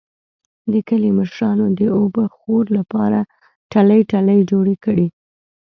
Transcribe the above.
د کلي مشرانو د اوبهخور لپاره ټلۍ ټلۍ جوړې کړې.